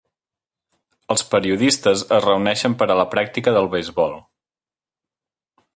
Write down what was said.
Els periodistes es reuneixen per a la pràctica del beisbol.